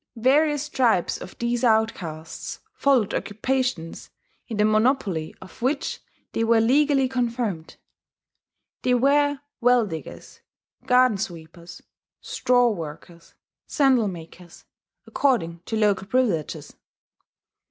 Various tribes of these outcasts followed occupations in the monopoly of which they were legally confirmed: they were well diggers, garden sweepers, straw workers, sandal makers, according to local privileges.